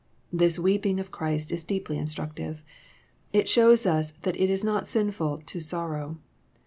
This weeping of Christ is deeply instructive. It shows US that it is not sinful to sorrow.